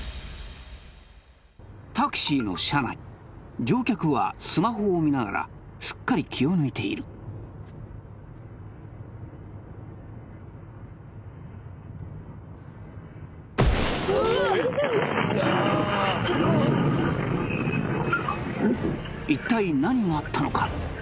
タクシーの車内乗客はスマホを見ながらすっかり気を抜いている一体何があったのか？